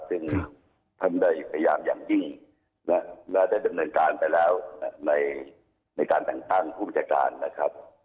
ซึ่งท่านได้พยายามอย่างยิ่งและได้ดำเนินการไปแล้วในการแต่งตั้งผู้บัญชาการนะครับ